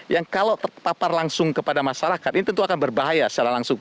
yang kalau terpapar langsung kepada masyarakat ini tentu akan berbahaya secara langsung